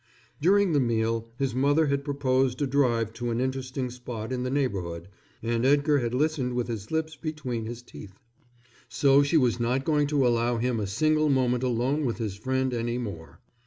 During the meal his mother had proposed a drive to an interesting spot in the neighborhood and Edgar had listened with his lips between his teeth. So she was not going to allow him a single moment alone with his friend any more.